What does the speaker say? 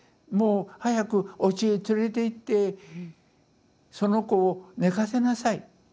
もう早くおうちへ連れていってその子を寝かせなさい」。